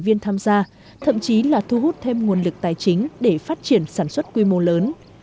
viên tham gia thậm chí là thu hút thêm nguồn lực tài chính để phát triển sản xuất quy mô lớn